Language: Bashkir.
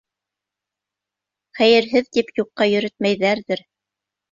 «Хәйерһеҙ» тип юҡҡа йөрөтмәйҙәрҙер.